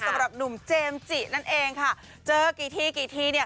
สำหรับหนุ่มเจมส์จินั่นเองค่ะเจอกี่ทีกี่ทีเนี่ย